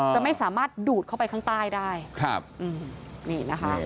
จะไม่สามารถดูดเข้าไปข้างใต้ได้ครับอืมนี่นะคะ